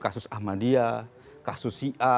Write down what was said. kasus ahmadiyah kasus sia